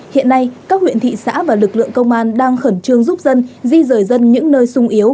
hiện nay các huyện thị xã và lực lượng công an đang khẩn trương giúp dân di rời dân những nơi sung yếu